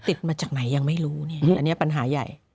ติดมาจากไหนยังไม่รู้อันนี้ปัญหาใหญ่